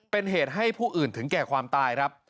เป็นเหตุให้ผู้อื่นถึงแก่ความตายครับ